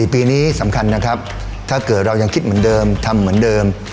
ปีนี้สำคัญนะครับถ้าเกิดเรายังคิดเหมือนเดิมทำเหมือนเดิม